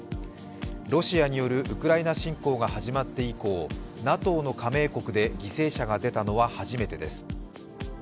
ロシアによるウクライナ侵攻が始まって以降、ＮＡＴＯの加盟国で犠牲者が出たのは初めてです。